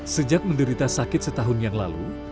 sejak menderita sakit setahun yang lalu